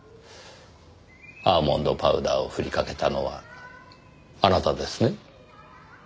アーモンドパウダーをふりかけたのはあなたですね？